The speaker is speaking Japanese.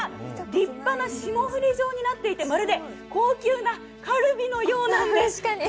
立派な霜降り状になっていて、まるで高級なカルビのようなんです。